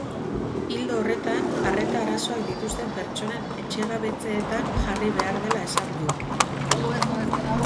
Ildo horretan, arreta arazoak dituzten pertsonen etxegabetzeetan jarri behar dela esan du.